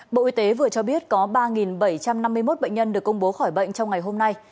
bộ y tế vừa cho biết có ba bảy trăm năm mươi một bệnh nhân được công bố khỏi bệnh trong ngày hôm nay